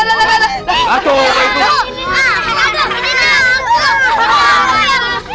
kamu tidak ada